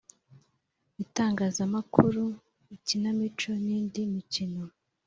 itangazamakuru, ikinamico n'indi mikino.